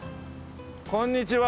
こんにちは。